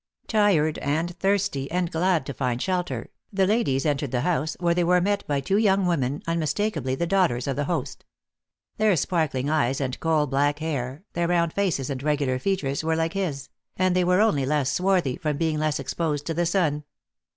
Tired and thirsty, and glad to find shelter, the ladies entered the house, where they were met by two young women, unmistakably the daughters of the host. Their sparkling eyes and coal black hair, their round faces and regular features, were like his ; and they were only less swarthy, from being less exposed to the sun.